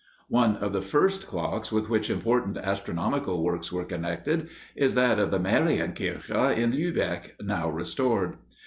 One of the first clocks with which important astronomical works were connected is that of the Marienkirche in Lübeck, now restored.